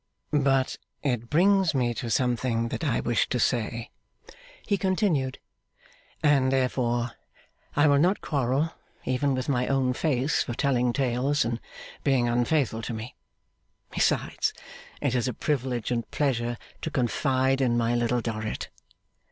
'But it brings me to something that I wish to say,' he continued, 'and therefore I will not quarrel even with my own face for telling tales and being unfaithful to me. Besides, it is a privilege and pleasure to confide in my Little Dorrit.